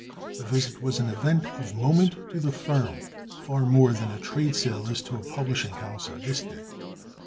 The visit was an event of moment to the firm, far more than a trade sale is to a publishing house of this day.